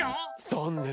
ざんねん。